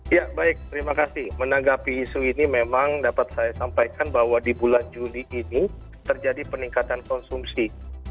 ya baik terima kasih menanggapi isu ini memang dapat saya sampaikan bahwa di bulan juli ini terjadi peningkatan konsumsi